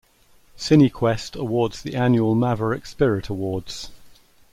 Cinequest awards the annual Maverick Spirit Awards.